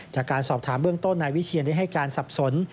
จากการสอบถามเบื้องต้นนายวิเชียนได้ให้การสับสน